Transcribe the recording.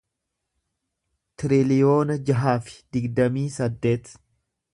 tiriliyoona jaha fi digdamii saddeet